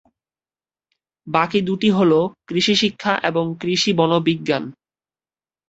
বাকি দু’টি হলো কৃষি শিক্ষা ও কৃষিবনবিজ্ঞান।